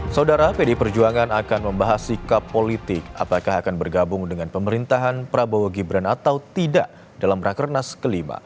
saudara pd perjuangan akan membahas sikap politik apakah akan bergabung dengan pemerintahan prabowo gibran atau tidak dalam rakernas ke lima